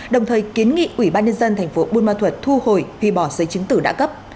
đồng thời kiến nghị ủy ban nhân dân thành phố buôn ma thuột thu hồi vì bỏ giấy chứng tử đã cấp